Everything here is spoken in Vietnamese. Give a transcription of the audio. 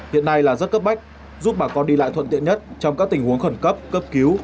hiện nay là rất cấp bách giúp bà con đi lại thuận tiện nhất trong các tình huống khẩn cấp cấp cứu